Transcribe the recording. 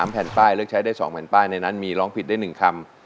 แผ่นป้ายเลือกใช้ได้๒แผ่นป้ายในนั้นมีร้องผิดได้๑คำ